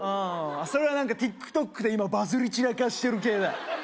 あそれは何かＴｉｋＴｏｋで今バズり散らかしてる系だ